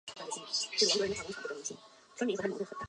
天汕高速公路是长深高速公路在广东省境内的一段。